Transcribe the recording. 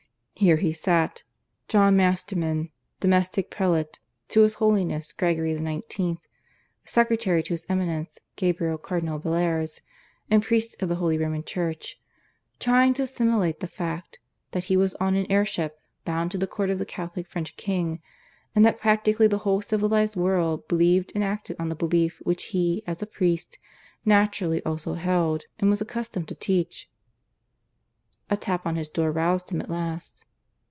Here he sat John Masterman, Domestic Prelate to His Holiness Gregory XIX, Secretary to His Eminence Gabriel Cardinal Bellairs, and priest of the Holy Roman Church, trying to assimilate the fact that he was on an air ship, bound to the court of the Catholic French King, and that practically the whole civilized world believed and acted on the belief which he, as a priest, naturally also held and was accustomed to teach. A tap on his door roused him at last.